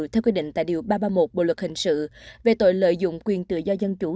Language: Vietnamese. theo quy định tại điều ba trăm ba mươi một bộ luật hình sự về tội lợi dụng quyền tự do dân chủ